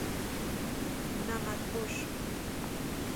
نمد پوش